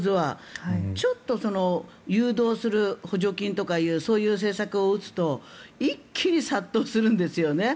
ちょっと、誘導する補助金とかというそういう政策を打つと一気に殺到するんですよね。